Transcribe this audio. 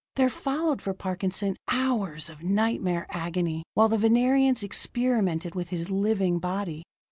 There followed for Parkinson hours of nightmare agony, while the Venerians experimented with his living body.